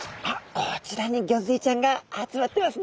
こちらにギョンズイちゃんが集まってますね。